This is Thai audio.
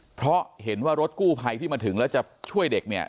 เพราะเห็นว่ารถกู้ภัยที่มาถึงแล้วจะช่วยเด็กเนี่ย